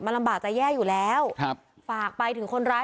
ลำบากจะแย่อยู่แล้วครับฝากไปถึงคนร้าย